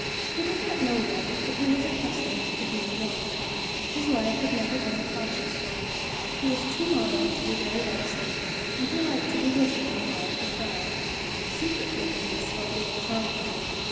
He did not know them, but he was accustomed to being known. His life had never been a cautious one. He was too modern to be very reticent, and he liked to be wicked in the eye of the crowd. Secret wickedness held little charm for him.